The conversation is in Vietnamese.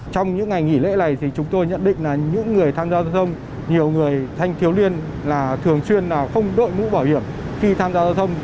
trong những ngày nghỉ lễ này thì chúng tôi nhận định là những người tham gia giao thông nhiều người thanh thiếu liên là thường xuyên không đội mũ bảo hiểm khi tham gia giao thông